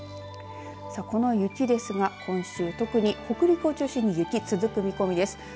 この雪ですが、今週特に北陸を中心に雪続く見込みです。